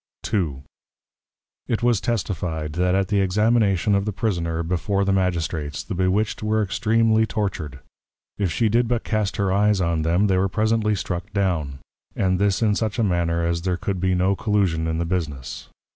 II. It was testifi'd, That at the Examination of the Prisoner before the Magistrates, the Bewitched were extreamly tortured. If she did but cast her Eyes on them, they were presently struck down; and this in such a manner as there could be no Collusion in the Business.